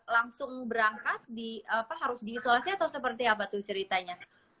langsung berangkat di apa harus di isolasi atau seperti apa tuh ceritanya